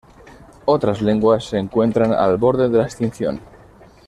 Otras lenguas se encuentran al borde de la extinción.